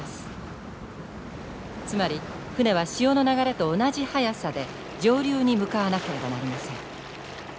つまり船は潮の流れと同じ速さで上流に向かわなければなりません。